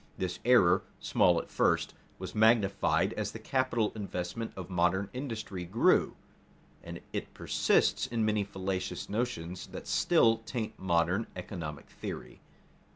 This error, small at first, was magnified as the capital investment of modern industry grew, and it persists in many fallacious notions that still taint modern economic theory.